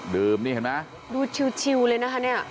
ดื่มนี่เห็นไหมดูชิวเลยนะคะ